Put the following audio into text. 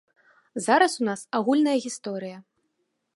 Зараз у нас агульная гісторыя.